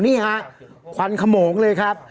นี่ฮะควันขโมงเลยครับ